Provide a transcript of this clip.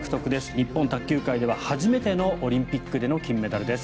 日本卓球界では初めてのオリンピックでの金メダルです。